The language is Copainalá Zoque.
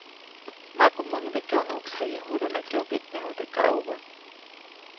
Makumuŋde kyonuʼksjaye judä nä kyoketnyaju teʼ kaʼubä.